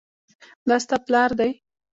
دا ستا پلار دی؟